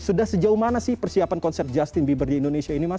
sudah sejauh mana sih persiapan konsep justin bieber di indonesia ini mas